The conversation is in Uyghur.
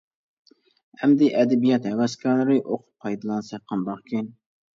ئەمدى ئەدەبىيات ھەۋەسكارلىرى ئوقۇپ پايدىلانسا قانداقكىن.